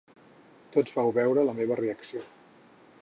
Tots vau veure la meva reacció.